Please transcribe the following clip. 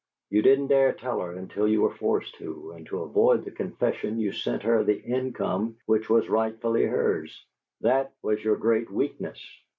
You didn't dare tell her until you were forced to, and to avoid the confession you sent her the income which was rightfully hers. That was your great weakness."